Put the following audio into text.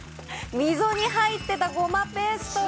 溝に入ってたゴマペーストが。